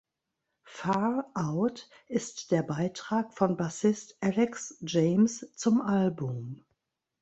Far Out ist der Beitrag von Bassist Alex James zum Album.